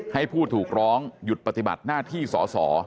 ให้ผู้ถูกร้องหยุดปฏิบัติหน้าที่สอสอ